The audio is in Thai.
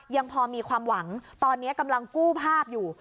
ยังพอมีความหวังตอนนี้กำลังกู้ภาพอยู่